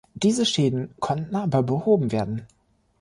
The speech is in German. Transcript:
Diese Schäden konnten aber behoben werden.